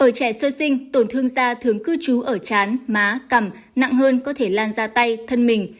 ở trẻ sơ sinh tổn thương da thường cư trú ở chán má cầm nặng hơn có thể lan ra tay thân mình